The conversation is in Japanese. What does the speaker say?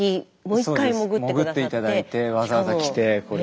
潜って頂いてわざわざ着てこれ。